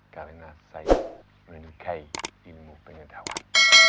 karena saya menikahi ilmu penyedawan